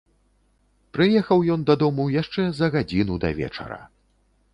Прыехаў ён дадому яшчэ за гадзіну да вечара.